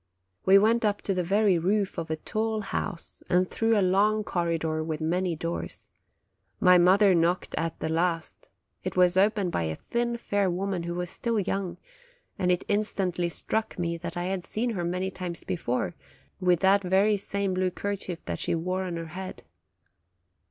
We went up to the very roof of a tall house, and through a long corridor with many doors. My mother knocked at the last; it was opened by a thin, fair woman who was still young, and it instantly struck me that I had seen her many times before, with that very same blue kerchief that she wore on her head.